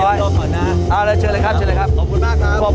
รอก่อนนะเอาแล้วเชิญเลยครับเชิญเลยครับขอบคุณมากครับ